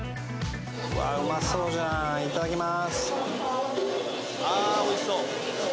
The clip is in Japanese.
うわうまそうじゃんいただきます